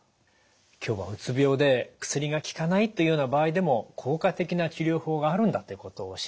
今日はうつ病で薬が効かないというような場合でも効果的な治療法があるんだということを教えていただきました。